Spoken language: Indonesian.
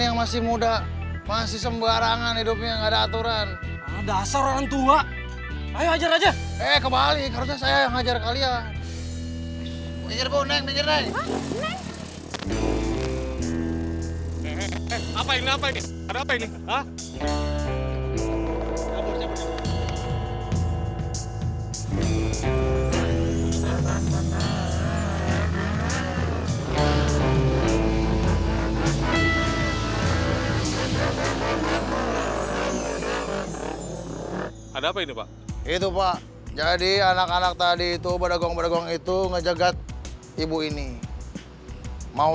ada apa ini pak itu pak jadi anak anak tadi itu pada gong gong itu ngejegat ibu ini mau